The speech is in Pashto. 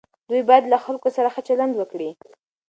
دوی باید له خلکو سره ښه چلند وکړي.